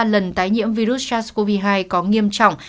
ba lần tái nhiễm virus sars cov hai có nghiêm trọng